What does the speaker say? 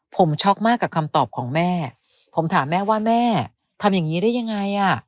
ผมช็อกมากกับคำตอบของแม่ผมถามแม่ว่าแม่ทำอย่างนี้ได้ยังไงอ่ะ